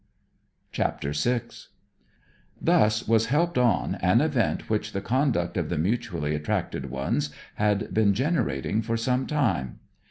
CHAPTER VI Thus was helped on an event which the conduct of the mutually attracted ones had been generating for some time.